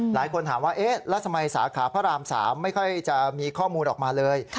หลายคนถามว่าเอ๊ะแล้วทำไมสาขาพระราม๓ไม่ค่อยจะมีข้อมูลออกมาเลย